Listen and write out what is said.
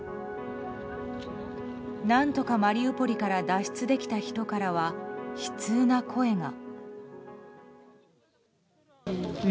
何とかマリウポリから脱出できた人からは悲痛な声が。